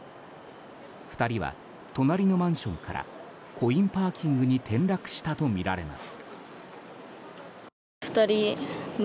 ２人は隣のマンションからコインパーキングに転落したとみられます。